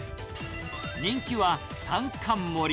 人気は３貫盛り。